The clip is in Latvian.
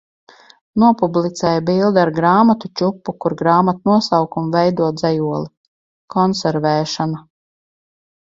Nopublicēju bildi ar grāmatu čupu, kur grāmatu nosaukumi veido dzejoli. Konservēšana